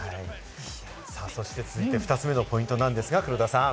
そして続いて２つ目のポイントなんですが、黒田さん。